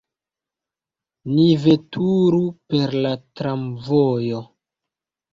Ni veturu per la tramvojo.